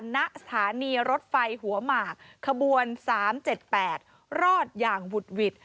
นสถานีรถไฟหัวหมากขบวนสามเจ็ดแปดรอดอย่างหุดหวีด